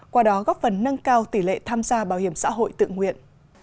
qua đó góp phần nâng cao tỷ lệ tham gia bảo hiểm xã hội tự nguyện